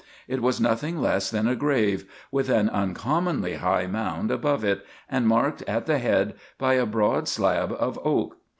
] It was nothing less than a grave with an uncommonly high mound above it, and marked at the head by a broad slab of oak.